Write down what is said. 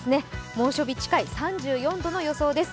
猛暑日近い３４度の予想です。